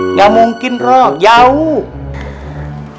nggak mungkin ra jauh